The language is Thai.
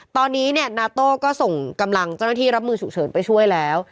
ตอนนี้เนี่ยนาโต้ก็ส่งกำลังเจ้าหน้าที่รับมือฉุกเฉินไปช่วยแล้ว